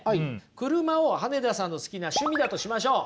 車を羽根田さんの好きな趣味だとしましょう。